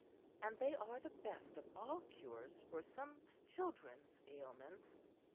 And they are the best of all cures for some children's ailments."